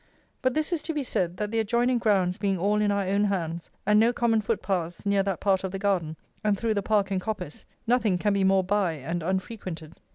But this is to be said, that the adjoining grounds being all in our own hands, and no common foot paths near that part of the garden, and through the park and coppice, nothing can be more bye and unfrequented.